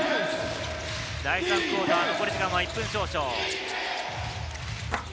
第３クオーターは残り１分少々。